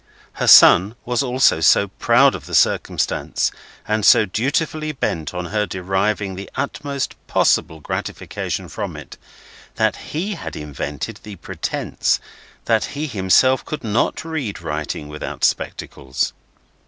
Her son was also so proud of the circumstance, and so dutifully bent on her deriving the utmost possible gratification from it, that he had invented the pretence that he himself could not read writing without spectacles.